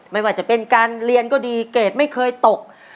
ไม่ว่าจะเป็นการเรียนก็ดีเกรดไม่เคยตก